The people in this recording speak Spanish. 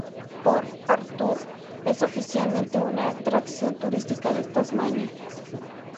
Port Arthur es oficialmente una atracción turística de Tasmania.